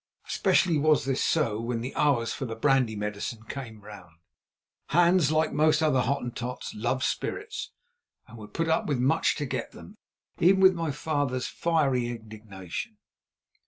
Especially was this so when the hours for the "brandy medicine" came round. Hans, like most other Hottentots, loved spirits, and would put up with much to get them, even with my father's fiery indignation.